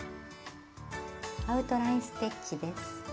「アウトライン・ステッチ」です。